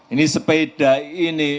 ini sepeda ini